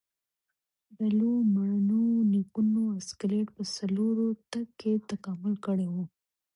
د لومړنیو نیکونو اسکلیټ په څلورو تګ کې تکامل کړی و.